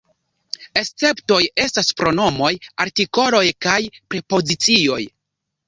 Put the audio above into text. Esceptoj estas pronomoj, artikoloj kaj prepozicioj.